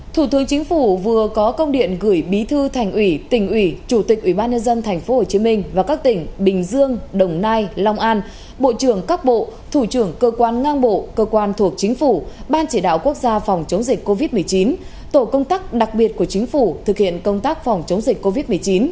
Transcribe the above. thủ tướng chính phủ vừa có công điện gửi bí thư thành ủy tỉnh ủy chủ tịch ubnd tp hcm và các tỉnh bình dương đồng nai long an bộ trưởng các bộ thủ trưởng cơ quan ngang bộ cơ quan thuộc chính phủ ban chỉ đạo quốc gia phòng chống dịch covid một mươi chín tổ công tác đặc biệt của chính phủ thực hiện công tác phòng chống dịch covid một mươi chín